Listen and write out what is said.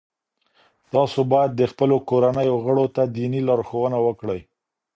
تاسو باید د خپلو کورنیو غړو ته دیني لارښوونه وکړئ.